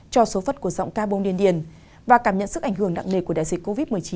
do số phận của giọng ca bông điên điền và cảm nhận sức ảnh hưởng nặng nề của đại dịch covid một mươi chín